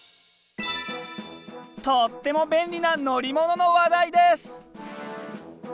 とっても便利な乗り物の話題です！